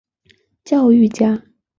教育家。